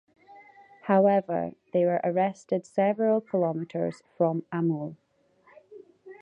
However, they were arrested several kilometers from Amul.